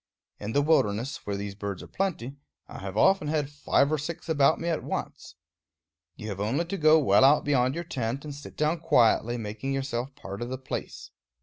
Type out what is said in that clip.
In the wilderness, where these birds are plenty, I have often had five or six about me at once. You have only to go well out beyond your tent, and sit down quietly, making yourself part of the place.